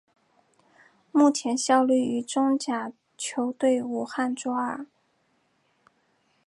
目前效力于中甲球队武汉卓尔。